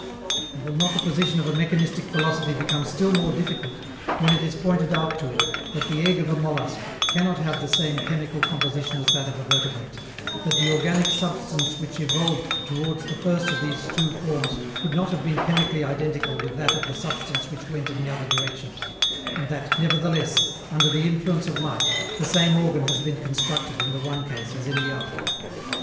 And will not the position of a mechanistic philosophy become still more difficult, when it is pointed out to it that the egg of a mollusc cannot have the same chemical composition as that of a vertebrate, that the organic substance which evolved toward the first of these two forms could not have been chemically identical with that of the substance which went in the other direction, and that, nevertheless, under the influence of light, the same organ has been constructed in the one case as in the other?